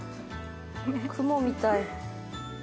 雲みたい。